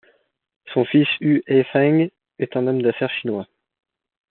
Son fils Hu Haifeng est un homme d'affaires chinois.